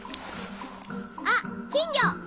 あっ金魚！